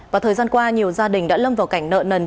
và thời gian qua nhiều gia đình đã lâm vào cảnh nợ nần